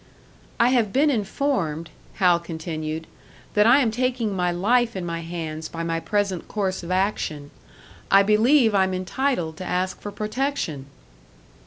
"I have been informed," Hal continued, "that I am taking my life in my hands by my present course of action. I believe I'm entitled to ask for protection."